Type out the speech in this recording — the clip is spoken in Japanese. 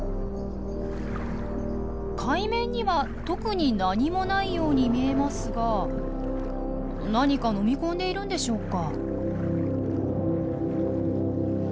海面には特に何もないように見えますが何か飲み込んでいるんでしょうか？